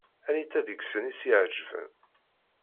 Anita deg-sent i s-iɛeǧben?